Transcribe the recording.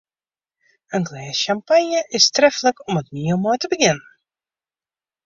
In glês sjampanje is treflik om it miel mei te begjinnen.